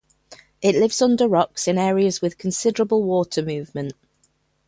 It lives under rocks in areas with considerable water movement.